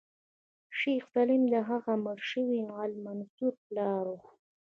شیخ سلیم د هغه مړ شوي غل المنصور پلار و.